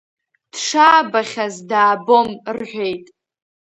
Дшаабахьаз даабом, — рҳәеит.